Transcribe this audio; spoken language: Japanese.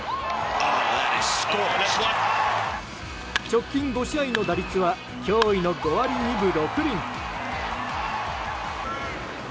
直近５試合の打率は驚異の５割２分６厘。